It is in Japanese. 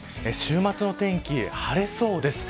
週末の天気、晴れそうです。